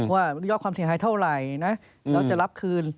ว่ายอดความเสียหายเท่าไหร่นะแล้วจะรับคืน